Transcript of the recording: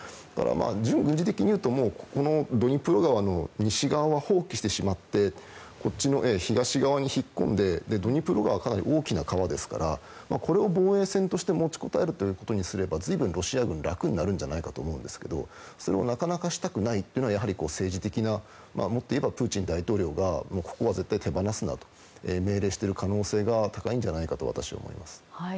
準軍事的にいうとドニプロ川の西側を放棄してしまってこっちの東側に引っ込んでドニプロ川はかなり大きな川ですからこれを防衛線として持ちこたえることにすれば随分、ロシア軍は楽になると思うんですけどそれをなかなかしたくないのは政治的なもっといえばプーチン大統領がここは絶対手放すなと命令している可能性が高いんじゃないかと私は思います。